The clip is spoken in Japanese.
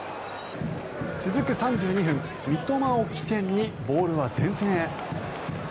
続く３２分三笘を起点にボールは前線へ。